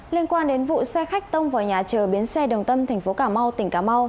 liên quan đến vụ xe khách tông vào nhà chờ biến xe đồng tâm thành phố cà mau tỉnh cà mau